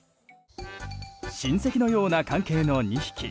親戚のような関係の２匹。